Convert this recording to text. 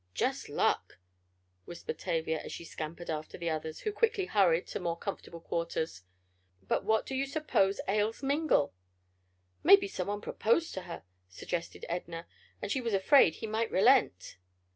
"Just luck!" whispered Tavia, as she scampered after the others, who quickly hurried to more comfortable quarters. "But what do you suppose ails Mingle?" "Maybe someone proposed to her," suggested Edna, "and she was afraid he might relent."